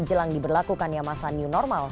jelang diberlakukan yang masa new normal